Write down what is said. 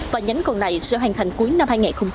và nhánh còn lại sẽ hoàn thành cuối năm hai nghìn hai mươi